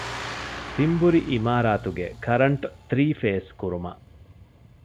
ތިންބުރި އިމާރާތުގެ ކަރަންޓް ތްރީފޭސް ކުރުމަށް